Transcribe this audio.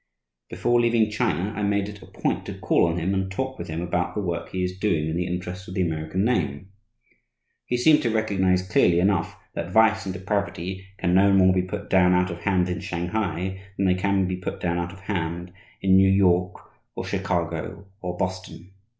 Before leaving China, I made it a point to call on him and talk with him about the work he is doing in the interest of the American name. He seemed to recognize clearly enough that vice and depravity can no more be put down out of hand in Shanghai than they can be put down out of hand in New York or Chicago or Boston.